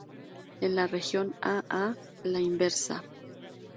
En la región A a la inversa.